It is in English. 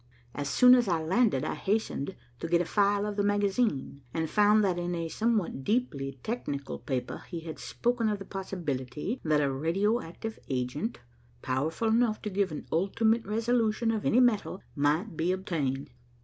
As soon as I landed I hastened to get a file of the magazine, and found that in a somewhat deeply technical paper he had spoken of the possibility that a radio active agent, powerful enough to give an ultimate resolution of any metal, might be obtained.